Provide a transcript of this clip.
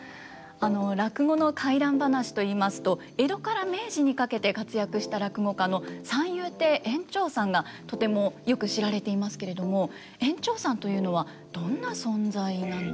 落語の怪談噺といいますと江戸から明治にかけて活躍した落語家の三遊亭圓朝さんがとてもよく知られていますけれども圓朝さんというのはどんな存在なんですか？